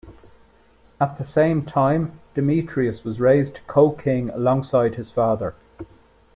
At the same time, Demetrius was raised to co-king alongside his father.